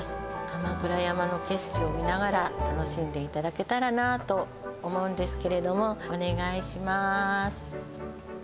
鎌倉山の景色を見ながら楽しんでいただけたらなと思うんですけれどもお願いします